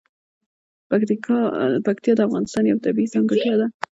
پکتیا د افغانستان یوه طبیعي ځانګړتیا ده.